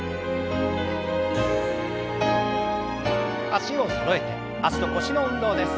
脚をそろえて脚と腰の運動です。